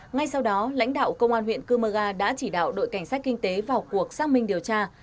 ngay sau đó lãnh đạo công an huyện cơ mơ ga đã chỉ đạo đội cảnh sát kinh tế vào cuộc xác minh điều tra